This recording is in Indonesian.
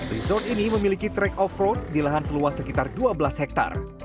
resort ini memiliki trek offroad di lahan seluas sekitar dua belas hektare